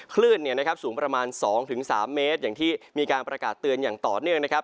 คลื่นสูงประมาณ๒๓เมตรอย่างที่มีการประกาศเตือนอย่างต่อเนื่องนะครับ